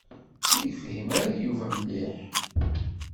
Ur yefhim ara Yuba mliḥ.